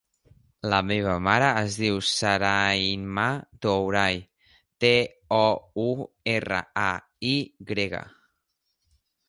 La meva mare es diu Sarayma Touray: te, o, u, erra, a, i grega.